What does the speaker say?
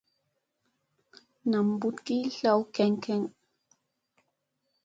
Nam mbuɗ ki tlaw keŋ keŋ.